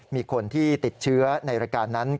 มีคนที่ติดเชื้อในรายการนั้น